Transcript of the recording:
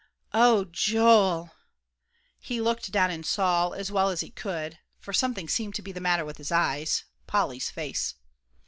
"Oh, Joel!" He looked down and saw, as well as he could, for something seemed to be the matter with his eyes, Polly's face.